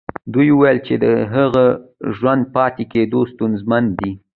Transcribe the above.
دوی ويل چې د هغه ژوندي پاتې کېدل ستونزمن دي.